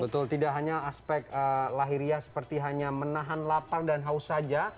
betul tidak hanya aspek lahiriah seperti hanya menahan lapang dan haus saja